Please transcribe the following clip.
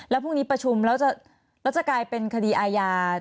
แล้วพรุ่งนี้ประชุมแล้วจะกลายเป็นคดีอาญา